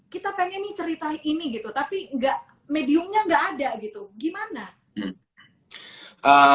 kita pengen nih ceritain ini gitu tapi mediumnya nggak ada gitu gimana